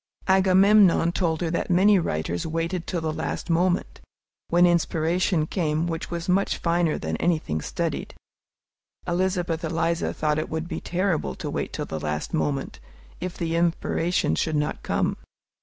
Agamemnon told her that many writers waited till the last moment, when inspiration came which was much finer than anything studied. Elizabeth Eliza thought it would be terrible to wait till the last moment, if the inspiration should not come!